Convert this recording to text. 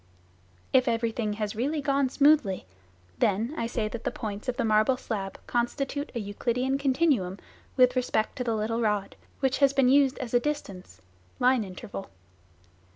If everything has really gone smoothly, then I say that the points of the marble slab constitute a Euclidean continuum with respect to the little rod, which has been used as a " distance " (line interval).